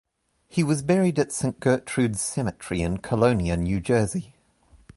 He was buried at Saint Gertrude's Cemetery in Colonia, New Jersey.